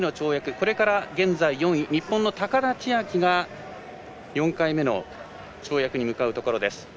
これから現在４位日本の高田千明が４回目の跳躍に向かうところです。